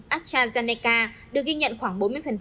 astrazeneca được ghi nhận khoảng bốn mươi